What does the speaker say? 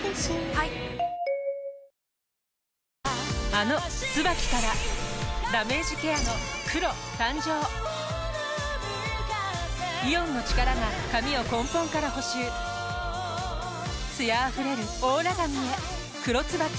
あの「ＴＳＵＢＡＫＩ」からダメージケアの黒誕生イオンの力が髪を根本から補修艶あふれるオーラ髪へ「黒ＴＳＵＢＡＫＩ」